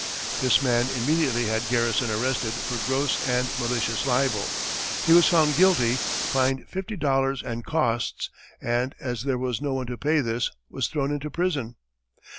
This man immediately had Garrison arrested for "gross and malicious libel," he was found guilty, fined fifty dollars and costs, and as there was no one to pay this, was thrown into prison.